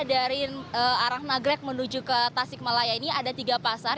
dari arah nagrek menuju ke tasik malaya ini ada tiga pasar